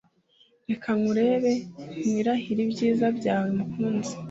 Reka nkurebe nirahire ibyiza byawe mukunzi